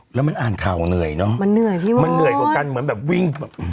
แล้วมันอ่านข่าวเหนื่อยเนอะมันเหนื่อยกว่ากันเหมือนแบบวิ่ง